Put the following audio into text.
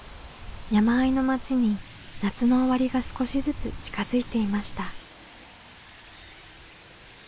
山あいの町に夏の終わりが少しずつ近づいていました。